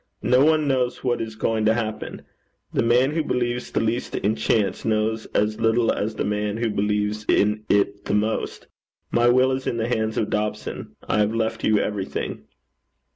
No one knows what is going to happen. The man who believes the least in chance knows as little as the man who believes in it the most. My will is in the hands of Dobson. I have left you everything.'